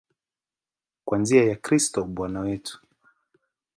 Kwa njia ya Kristo Bwana wetu.